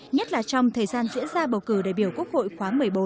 nhất là trong thời gian diễn ra bầu cử đại biểu quốc hội khóa một mươi bốn